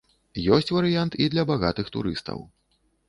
Ёсць варыянт і для багатых турыстаў.